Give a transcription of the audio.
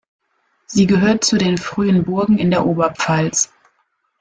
Sie gehört zu den frühen Burgen in der Oberpfalz.